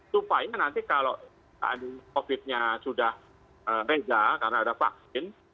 supaya nanti kalau covid nya sudah reza karena ada vaksin